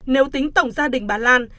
nếu tính tổng gia đình bà lan